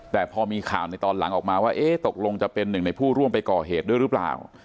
แต่พอมีข่าวในตอนหลังออกมาว่าเอ๊ะตกลงจะเป็นหนึ่งในผู้ร่วมไปก่อเหตุด้วยหรือเปล่า